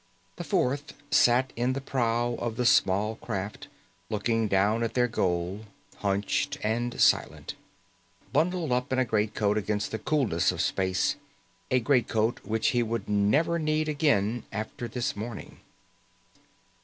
The fourth sat in the prow of the small craft looking down at their goal, hunched and silent, bundled up in a greatcoat against the coolness of space a greatcoat which he would never need again after this morning.